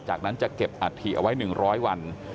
จากนั้นจะเก็บอัฐิเอาไว้๑๐๐วัน